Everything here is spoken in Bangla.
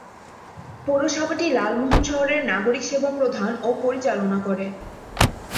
পৌরসভাটি লালমোহন শহরের নাগরিক সেবা প্রদান ও পরিচালনা করে।